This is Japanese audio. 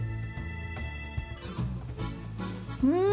うん！